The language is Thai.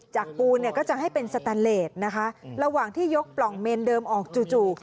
ปูเนี่ยก็จะให้เป็นสแตนเลสนะคะระหว่างที่ยกปล่องเมนเดิมออกจู่จู่